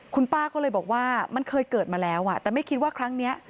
คุณป้าก็เลยบอกว่ามันเคยเกิดมาแล้วแต่ไม่คิดว่าครั้งนี้